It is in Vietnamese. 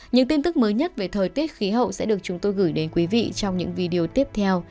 những tin tức mới nhất về thời tiết khí hậu sẽ được chúng tôi gửi đến quý vị trong những video tiếp theo